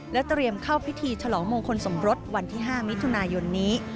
เตรียมเข้าพิธีฉลองมงคลสมรสวันที่๕มิถุนายนนี้